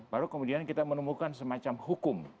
baru kemudian kita menemukan semacam hukum